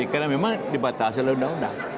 karena memang dibatasi oleh undang undang